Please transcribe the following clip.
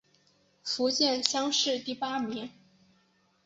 福建乡试第八名。